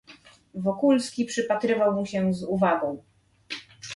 "Wokulski przypatrywał mu się z uwagą."